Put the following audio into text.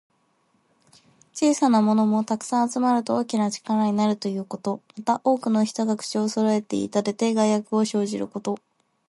小さなものも、たくさん集まると大きな力になるということ。また、多くの人が口をそろえて言いたてて、害悪を生じること。